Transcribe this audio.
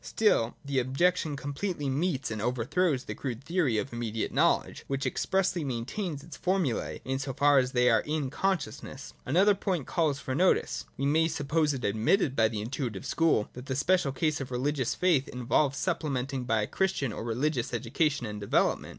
Still, the objection completely meets and overthrows the crude theory of immediate know ledge, which expressly maintains its formulae in so far as they are in consciousness. — Another point calls for notice. We may suppose it admitted by the intuitive school, that the special case of religious faith involves supplementing by a Christian or religious education and development.